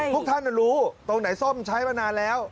พวกท่านรู้ตรงไหนซ่อมใช้มานานแล้ว